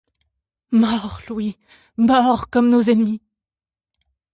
Morts, Louis, morts comme nos ennemis !